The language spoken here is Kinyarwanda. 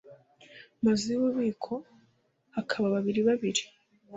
mazu y ububiko k hakaba babiri babiri